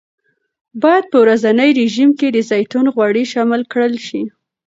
باید په ورځني رژیم کې د زیتون غوړي شامل کړل شي.